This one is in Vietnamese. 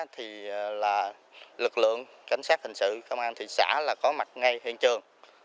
thì là lực lượng cảnh sát hình sự công an thị xã là có mặt ngay hiện trường